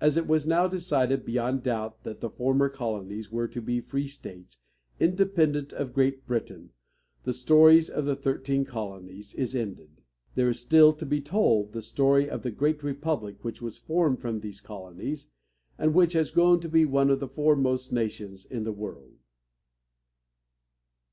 As it was now decided beyond doubt that the former colonies were to be free states, independent of Great Britain, the Story of the Thirteen Colonies is ended. There is still to be told the Story of the Great Republic which was formed from these colonies, and which has grown to be one of the foremost nations in the world.